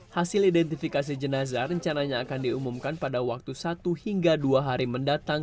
hasil identifikasi jenazah rencananya akan diumumkan pada waktu satu hingga dua hari mendatang